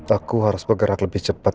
aku harus bergerak lebih cepat